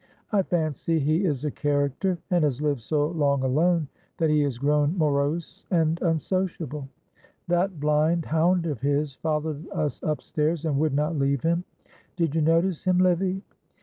I fancy he is a character and has lived so long alone that he has grown morose and unsociable. That blind hound of his followed us upstairs and would not leave him. Did you notice him, Livy?"